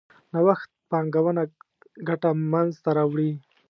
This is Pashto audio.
نوښت پانګونه ګټه منځ ته راوړي.